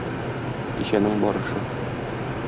Кичәнең барышы.